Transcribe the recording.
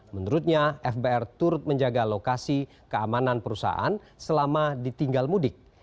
menurutnya fbr turut menjaga lokasi keamanan perusahaan selama ditinggal mudik